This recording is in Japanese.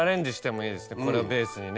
これをベースにね。